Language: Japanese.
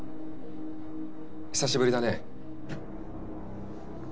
久しぶりだね。